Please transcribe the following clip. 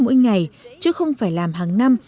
mỗi ngày chứ không phải làm hàng năm